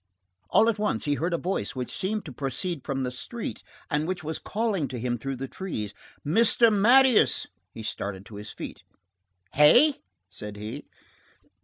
All at once he heard a voice which seemed to proceed from the street, and which was calling to him through the trees:— "Mr. Marius!" He started to his feet. "Hey?" said he.